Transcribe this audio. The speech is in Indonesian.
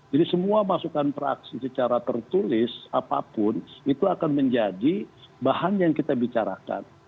jadi semua masukan praksi secara tertulis apapun itu akan menjadi bahan yang kita bicarakan